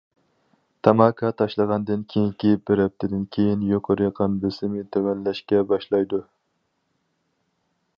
تاماكا تاشلىغاندىن كېيىنكى بىر ھەپتىدىن كېيىن، يۇقىرى قان بېسىمى تۆۋەنلەشكە باشلايدۇ.